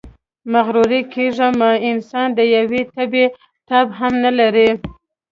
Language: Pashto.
مغروره کېږئ مه، انسان د یوې تبې تاب هم نلري.